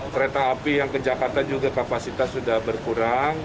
kereta api yang ke jakarta juga kapasitas sudah berkurang